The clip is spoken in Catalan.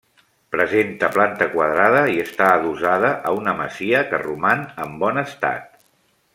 Presenta planta quadrada i està adossada a una masia, que roman en bon estat.